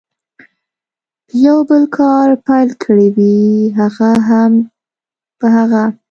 په یو بل کار پیل کړي وي، هغه هم په هغه.